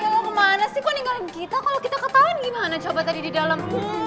lo kemana sih kok ninggalin kita kalo kita ketahuan gimana coba tadi di dalam